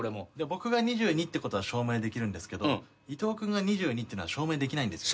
僕が２２ってことは証明できるんですけど伊藤君が２２っていうのは証明できないんです。